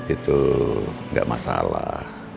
itu gak masalah